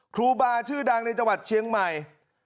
ครูบาชื่อดังในจังหวัดเชียงใหม่